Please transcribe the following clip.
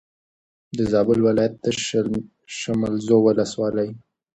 د زابل ولایت د شملزو ولسوالي